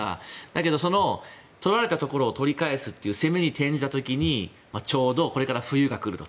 だけど、取られたところを取り返すという攻めに転じた時にちょうどこれから冬が来ると。